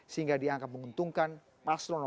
sehingga dianggap menguntungkan paslon satu